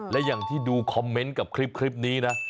และอย่างที่ดูคอมเมนต์กับคลิปนี้นะ